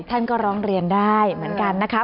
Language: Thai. ท่านก็ร้องเรียนได้เหมือนกันนะคะ